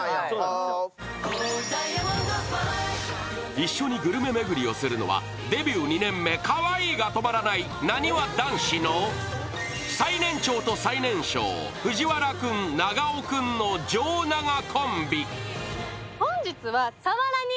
一緒にグルメ巡りをするのはデビュー２年目、かわいいが止まらないなにわ男子の最年長と最年少、藤原君、長尾君のじょうながコンビ。